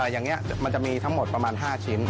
อย่างนี้มันจะมีทั้งหมดประมาณ๕ชิ้น